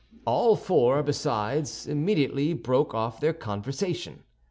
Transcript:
All four, besides, immediately broke off their conversation.